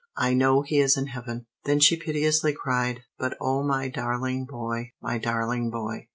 "I know he is in heaven!" Then she piteously cried, "But O my darling boy, my darling boy!"